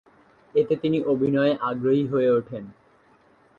এতে তিনি অভিনয়ে আগ্রহী হয়ে ওঠেন।